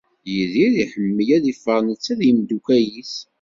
Yidir iḥemmel ad iffeɣ netta d yimeddukal-is.